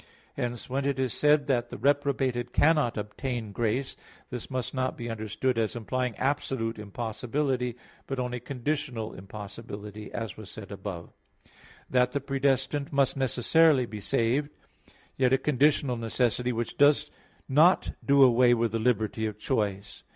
Hence, when it is said that the reprobated cannot obtain grace, this must not be understood as implying absolute impossibility: but only conditional impossibility: as was said above (Q. 19, A. 3), that the predestined must necessarily be saved; yet a conditional necessity, which does not do away with the liberty of choice.